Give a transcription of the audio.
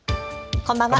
こんばんは。